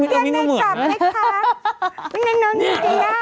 เมื่อในเมืองนี้